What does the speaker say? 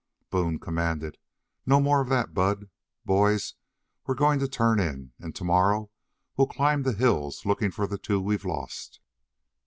Boone commanded: "No more of that, Bud. Boys, we're going to turn in, and tomorrow we'll climb the hills looking for the two we've lost.